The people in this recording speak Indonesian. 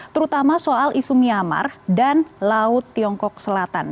terutama soal isu myanmar dan laut tiongkok selatan